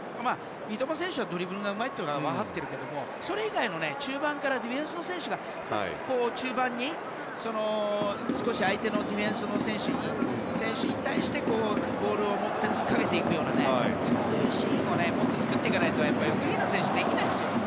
三笘選手のドリブルがうまいというのは分かっているけれどもそれ以外の中盤からディフェンスの選手が中盤に少し相手のディフェンスの選手に対してボールを持ってつっかけていくようなそういうシーンをもっと作っていかないとフリーな選手はできないですよ。